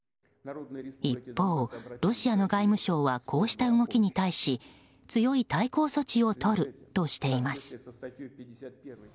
一方、ロシアの外務省はこうした動きに対し強い対抗措置をとるとしています。